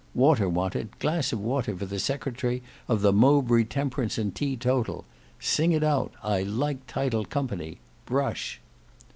Water wanted, glass of water for the Secretary of the Mowbray Temperance and Teatotal. Sing it out. I like titled company. Brush!"